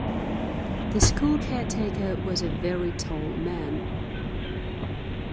The school caretaker was a very tall man